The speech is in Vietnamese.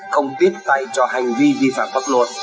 không tiết tài cho hành vi vi phạm pháp luật